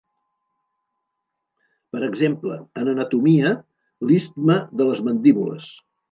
Per exemple, en anatomia, l'istme de les mandíbules.